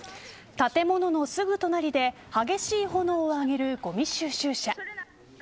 建物のすぐ隣で激しい炎を上げる、ごみ収集車。